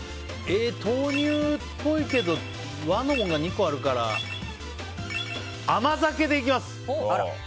豆乳っぽいけど和のものが２個あるから甘酒でいきます！